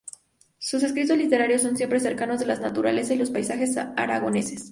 Sus escritos literarios son siempre cercanos de la naturaleza y los paisajes aragoneses.